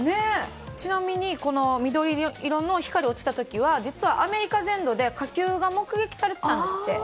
ちなみに緑色の光が落ちた時はアメリカ全土で火球が目撃されていたんですって。